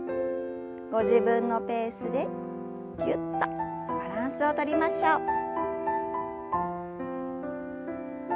ご自分のペースでぎゅっとバランスをとりましょう。